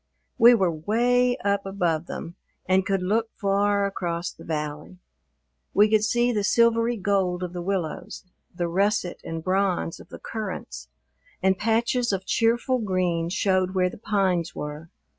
We were 'way up above them and could look far across the valley. We could see the silvery gold of the willows, the russet and bronze of the currants, and patches of cheerful green showed where the pines were.